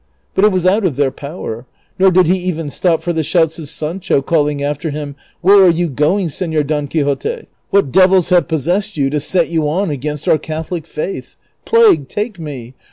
])ut it Avas out of their poAver, nor did he even stop for the shouts of Sancho calling after him, " AVliere are you going, Seiior Don Quixote ? What devils have possessed you to set you on against our Catholic faith ? Plague take nie